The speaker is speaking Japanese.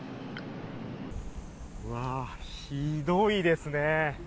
うわ、ひどいですね。